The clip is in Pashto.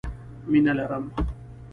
مينه لرم